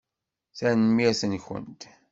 Tanemmirt-nkent!